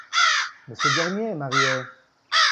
Mais ce dernier est marié.